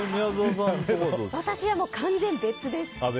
私は完全に別です。